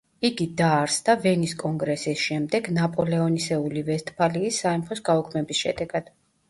იგი დაარსდა ვენის კონგრესის შემდეგ ნაპოლეონისეული ვესტფალიის სამეფოს გაუქმების შედეგად.